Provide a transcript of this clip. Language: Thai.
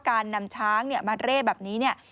การนำช้างมาเร่แบบนี้